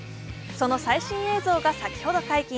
その最新映像が先ほど解禁。